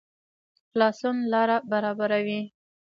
خلاصون لاره برابروي